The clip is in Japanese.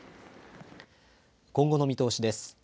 今後の見通しです。